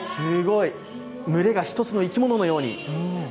群れが一つの生き物のように。